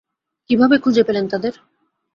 কীভাবে খুঁজে পেলেন তাদের?